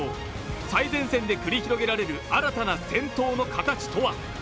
最前線で繰り広げられる新たな戦闘の形とは。